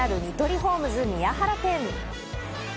ホームズ宮原店。